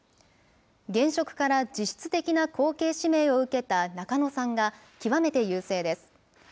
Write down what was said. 現職から実質的な後継指名を受けた中野さんが極めて優勢です。